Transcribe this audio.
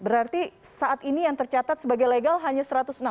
berarti saat ini yang tercatat sebagai legal hanya satu ratus enam puluh